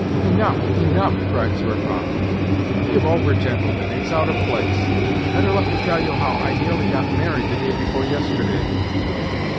" Enough, enough !" cried Zverkov. " Give over, gentlemen, it's out of place. Better let me tell you how I nearly got married the day before yesterday.